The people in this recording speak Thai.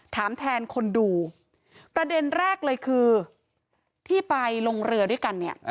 ถามแทนคนดูประเด็นแรกเลยคือที่ไปลงเรือด้วยกันเนี่ย